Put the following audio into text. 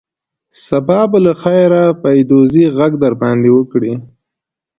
سبا به له خیره پیدوزي غږ در باندې وکړي.